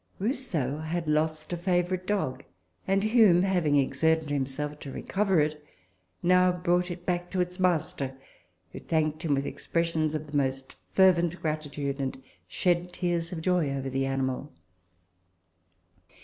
Rousseau had lost a favourite dog ; and Hume, having exerted himself to recover it, now brought it back to its master, who thanked him with expres sions of the most fervent gratitude, and shed tears of joy over the animal.